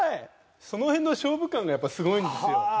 その辺の勝負勘がやっぱりすごいんですよ。